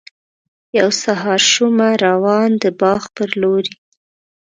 یو سهار شومه روان د باغ پر لوري.